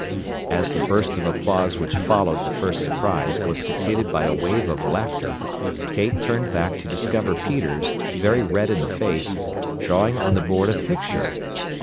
As the burst of applause which followed the first surprise was succeeded by a wave of laughter, Kate turned back to discover Peters, very red in the face, drawing on the board a picture.